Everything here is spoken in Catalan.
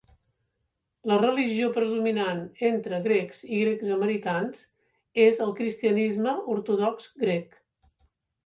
La religió predominant entre grecs i grecs americans és el cristianisme ortodox grec.